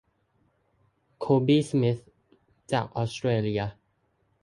โคบี้ สมิธ จากออสเตรเลีย